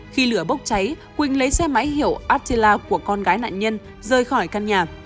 khi lửa bốc cháy quỳnh lấy xe máy hiểu astella của con gái nạn nhân rời khỏi căn nhà